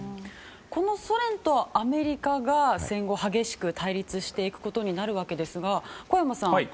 このソ連とアメリカが戦後、激しく対立していくことになるわけですが、小山さん